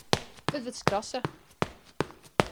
It wurd skrasse.